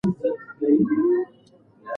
پسرلی د نوې هیلې او ژوند پیل دی.